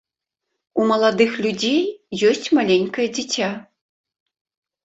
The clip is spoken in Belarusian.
У маладых людзей ёсць маленькае дзіця.